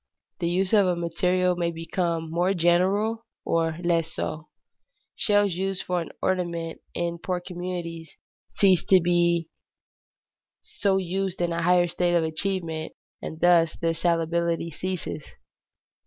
The use of a material may become more general or less so. Shells used for ornament in poor communities cease to be so used in a higher state of advancement, and thus their salability ceases.